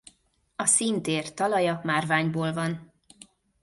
A színtér talaja márványból van.